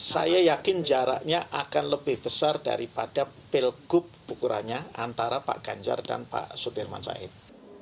saya yakin jaraknya akan lebih besar daripada pilgub ukurannya antara pak ganjar dan pak sudirman said